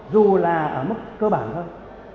dù là ở mức cơ bản thôi